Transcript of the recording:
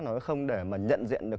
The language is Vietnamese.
nó không để mà nhận diện được